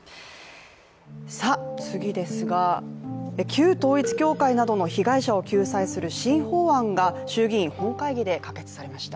次ですが、旧統一教会などの被害者を救済する新法案が衆議院本会議で可決されました。